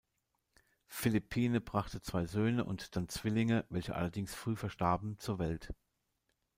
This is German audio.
Philippine brachte zwei Söhne und dann Zwillinge, welche allerdings früh verstarben, zur Welt.